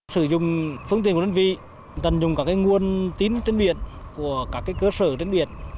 sử dụng phương tiện của đơn vị tận dụng các nguồn tín trên biển của các cơ sở trên biển